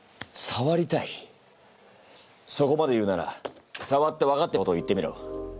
さわりたいそこまで言うならさわって分かったことを言ってみろ。